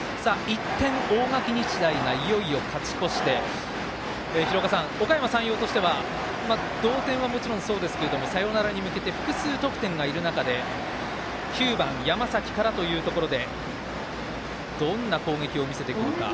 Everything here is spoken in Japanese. １点、大垣日大がいよいよ勝ち越しておかやま山陽としては同点はもちろんそうですがサヨナラに向けて複数得点がいる中で９番、山崎からというところでどんな攻撃を見せてくるか。